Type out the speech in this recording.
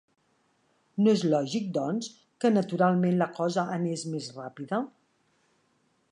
No és lògic, doncs, que naturalment la cosa anés més ràpida?